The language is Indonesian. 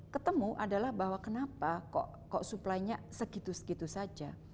ketemu adalah bahwa kenapa kok supply nya segitu segitu saja